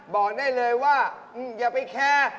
บอกได้เลยว่าอย่าไปแคร์